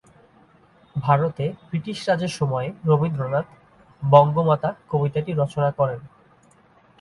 ভারতে ব্রিটিশ রাজের সময়ে রবীন্দ্রনাথ "বঙ্গমাতা" কবিতাটি রচনা করেন।